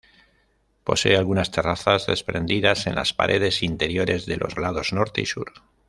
Posee algunas terrazas desprendidas en las paredes interiores de los lados norte y sur.